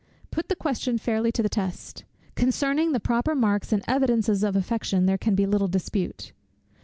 Put the question fairly to the test. Concerning the proper marks and evidences of affection, there can be little dispute.